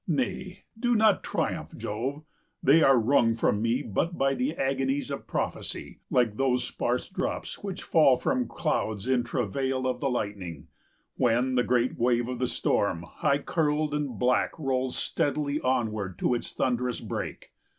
Nay, do not triumph, Jove! They are wrung from me but by the agonies Of prophecy, like those sparse drops which fall From clouds in travail of the lightning, when The great wave of the storm high curled and black 55 Rolls steadily onward to its thunderous break.